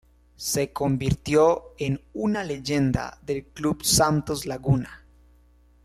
Se convirtió en una leyenda del Club Santos Laguna.